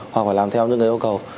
hoặc phải làm theo những yêu cầu